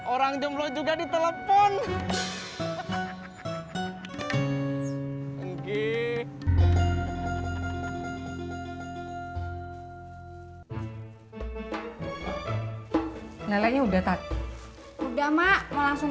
orang jumlo juga ditelepon